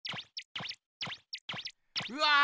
うわ！